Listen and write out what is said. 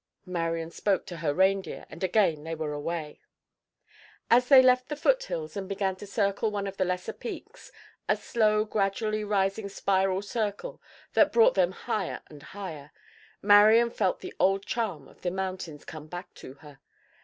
Marian spoke to her reindeer, and again they were away. As they left the foothills and began to circle one of the lesser peaks—a slow, gradually rising spiral circle that brought them higher and higher—Marian felt the old charm of the mountains come back to her.